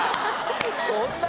そんな！